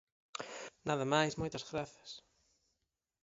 Nada máis moitas grazas.